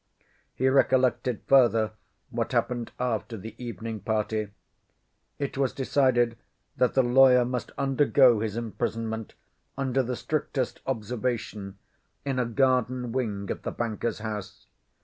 He recollected further what happened after the evening party. It was decided that the lawyer must undergo his imprisonment under the strictest observation, in a garden wing of the banker's house.